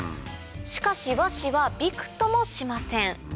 しかし和紙はびくともしません